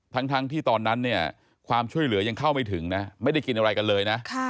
ทั้งที่ตอนนั้นเนี่ยความช่วยเหลือยังเข้าไม่ถึงนะไม่ได้กินอะไรกันเลยนะ